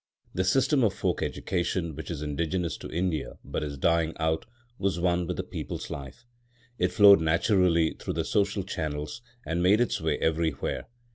The system of folk education, which is indigenous to India, but is dying out, was one with the people's life. It flowed naturally through the social channels and made its way everywhere.